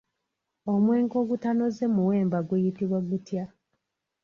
Omwenge ogutanoze muwemba guyitibwa gutya?